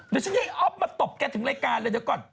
เดี๋ยวฉันให้อ๊อฟมาตบแกถึงรายการเลยเดี๋ยวก่อน